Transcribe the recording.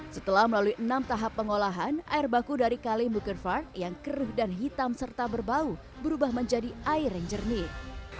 setelah melalui enam tahap pengolahan air baku dari kalimukervard yang keruh dan hitam serta berbau berubah menjadi air yang jernih